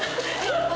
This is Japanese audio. ハハハハ！